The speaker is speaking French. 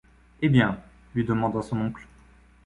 Eh bien ? lui demanda son oncle.